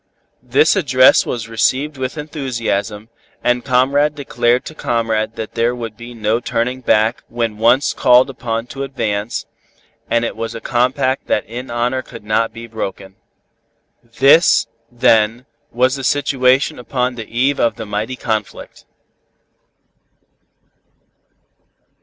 This address was received with enthusiasm, and comrade declared to comrade that there would be no turning back when once called upon to advance, and it was a compact that in honor could not be broken. This, then, was the situation upon the eve of the mighty conflict.